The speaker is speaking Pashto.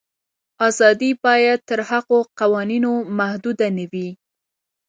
آزادي باید تر هغو قوانینو محدوده نه وي.